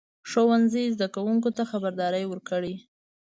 ښوونکي زده کوونکو ته خبرداری ورکړ.